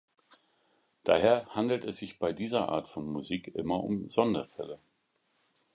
Daher handelt es sich bei dieser Art von Musik immer um Sonderfälle.